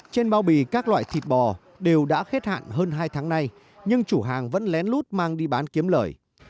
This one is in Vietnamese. trên bao bì các loại thịt bò đều đã hết hạn hơn hai tháng nay nhưng chủ hàng vẫn lén lút mang đi bán kiếm lời